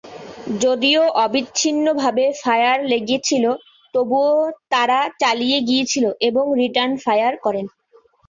যদিও অবিচ্ছিন্নভাবে ফায়ার লেগেছিল, তবুও তাড়া চালিয়ে গিয়েছিল এবং রিটার্ন ফায়ার করেন।